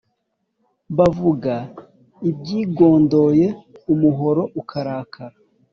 Bavuga ibyigondoye umuhoro ukarakara.